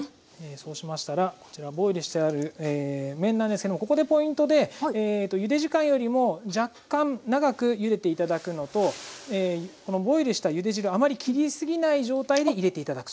そうしましたらこちらボイルしてある麺なんですけどもここでポイントでゆで時間よりも若干長くゆでて頂くのとこのボイルしたゆで汁あまり切りすぎない状態で入れて頂く。